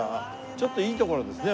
ちょっといい所ですね